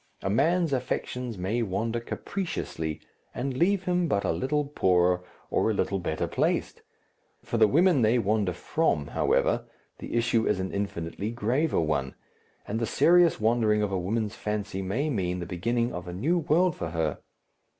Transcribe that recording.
A man's affections may wander capriciously and leave him but a little poorer or a little better placed; for the women they wander from, however, the issue is an infinitely graver one, and the serious wandering of a woman's fancy may mean the beginning of a new world for her.